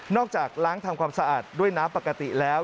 จากล้างทำความสะอาดด้วยน้ำปกติแล้ว